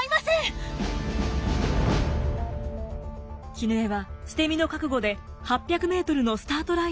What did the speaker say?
絹枝は捨て身の覚悟で８００ｍのスタートラインに立ちます。